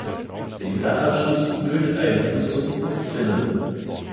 Den Dachabschluss bildet eine Brüstung mit Zinnen.